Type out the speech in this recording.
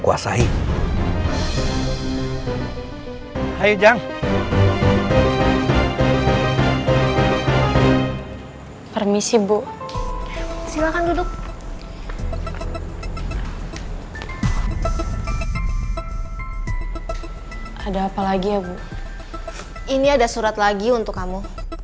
kuasai hai hai ujang permisi bu silakan duduk ada apa lagi ya bu ini ada surat lagi untuk kamu